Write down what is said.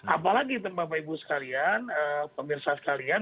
apalagi teman teman ibu sekalian pemirsa sekalian